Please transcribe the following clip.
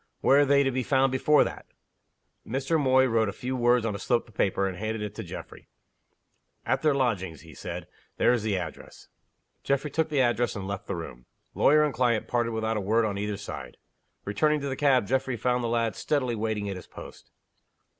"Where are they to be found before that?" Mr. Moy wrote a few words on a slip of paper, and handed it to Geoffrey. "At their lodgings," he said. "There is the address." Geoffrey took the address, and left the room. Lawyer and client parted without a word on either side. Returning to the cab, Geoffrey found the lad steadily waiting at his post.